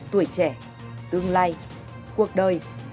tuổi trẻ tương lai cuộc đời